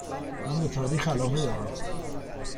من به تاریخ علاقه دارم.